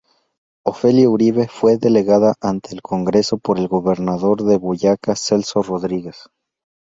Ofelia Uribe fue delegada ante el Congreso por el gobernador de Boyacá Celso Rodríguez.